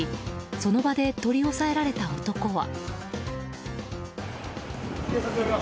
その場で取り押さえられた男は。